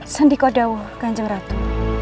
sendikodowo kancing ratu